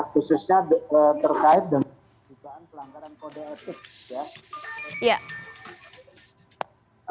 khususnya terkait dengan dugaan pelanggaran kode etik